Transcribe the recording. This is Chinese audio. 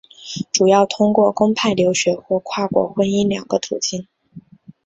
主要通过公派留学或跨国婚姻两个途径。